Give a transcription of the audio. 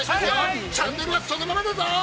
◆チャンネルはそのままだぞ。